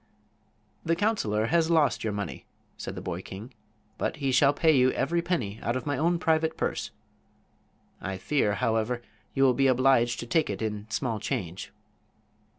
"The counselor has lost your money," said the boy king, "but he shall pay you every penny out of my own private purse. I fear, however, you will be obliged to take it in small change."